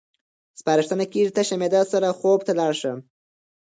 سپارښتنه کېږي تشه معده سره خوب ته لاړ شئ.